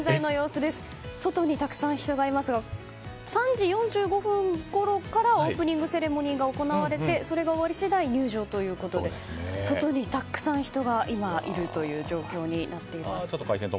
外にたくさん人がいますが３時４５分ごろからオープニングセレモニーが行われてそれが終わり次第入場ということで外にたくさん人が今、いる状況になっています。